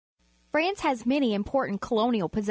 — France has many important colonial po.